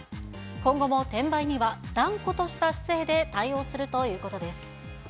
今後も転売には断固とした姿勢で対応するということです。